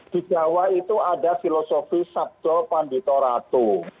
di jawa itu ada filosofi sabdo pandito ratu